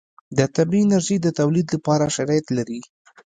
د طبعي انرژي د تولید لپاره شرایط لري.